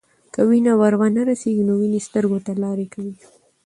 که وینې ور ونه رسیږي، نو وینې سترګو ته لارې کوي.